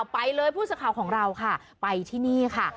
ไปเลยผู้สื่อข่าวของเราค่ะไปที่นี่ค่ะ